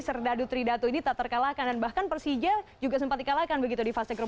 serdadu tridatu ini tak terkalahkan dan bahkan persija juga sempat dikalahkan begitu di fase grup